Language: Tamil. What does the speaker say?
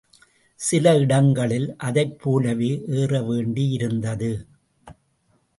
சில இடங்களில் அதைப் போலவே ஏற வேண்டியிருந்தது.